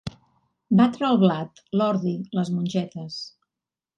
Batre el blat, l'ordi, les mongetes.